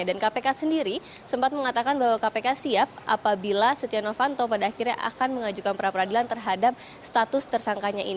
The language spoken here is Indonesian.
kpk sendiri sempat mengatakan bahwa kpk siap apabila setia novanto pada akhirnya akan mengajukan perapradilan terhadap status tersangkanya